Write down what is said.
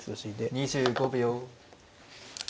２５秒。